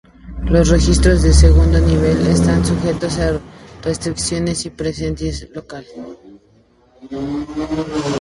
Los registros de segundo nivel están sujetos a restricciones y presencia local.